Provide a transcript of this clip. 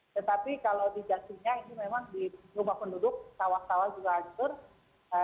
tetapi kalau di jatinya ini memang di rumah penduduk sawah sawah juga hancur